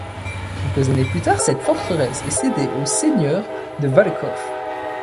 Quelques années plus tard, cette forteresse est cédée au seigneur de Valečov.